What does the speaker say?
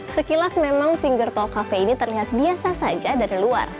sekilas memang finger tol cafe ini terlihat biasa saja dari luar